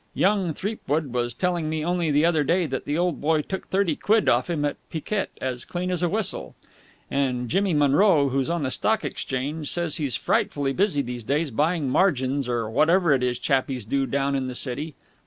Young Threepwood was telling me only the other day that the old boy took thirty quid off him at picquet as clean as a whistle. And Jimmy Monroe, who's on the Stock Exchange, says he's frightfully busy these times buying margins or whatever it is chappies do down in the City.